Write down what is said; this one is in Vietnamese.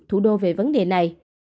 thủ đô về vấn đề này